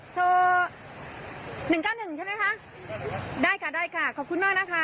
โทร๑๙๑ใช่ไหมคะได้ค่ะได้ค่ะขอบคุณมากนะคะ